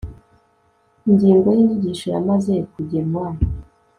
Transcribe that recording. ingingo yinyigisho yamaze kugenwa